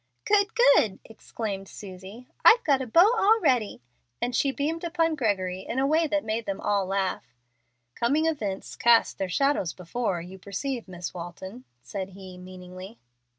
"Good, good!" exclaimed Susie. "I've got a beau already;" and she beamed upon Gregory in a way that made them all laugh. "'Coming events cast their shadows before,' you perceive, Miss Walton," said he, meaningly.